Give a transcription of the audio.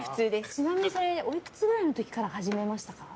ちなみに、それおいくつぐらいの時から始めましたか？